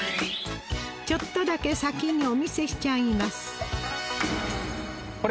ちょっとだけ先にお見せしちゃいます